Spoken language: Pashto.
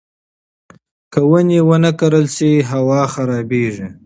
که ونې ونه کرل شي، هوا خرابېږي.